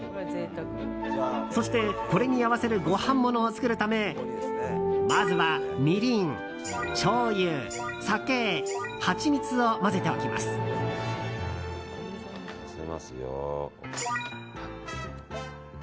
そして、これに合わせるご飯ものを作るためまずはみりん、しょうゆ酒、ハチミツを混ぜておきます。